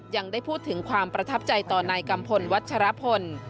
ยังได้พูดถึงความประทับใจต่อนายกัมพลวัชรพล